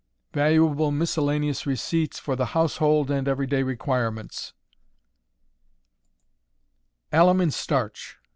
VALUABLE MISCELLANEOUS RECEIPTS, FOR THE HOUSEHOLD AND EVERY DAY REQUIREMENTS. _Alum in Starch.